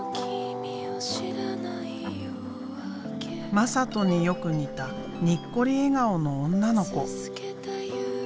真人によく似たにっこり笑顔の女の子。